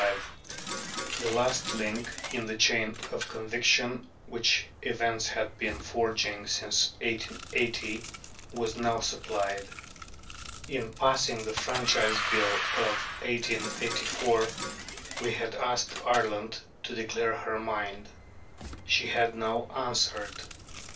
The last link in the chain of conviction, which events had been forging since 1880, was now supplied. In passing the Franchise Bill of 1884, we had asked Ireland to declare her mind. She had now answered.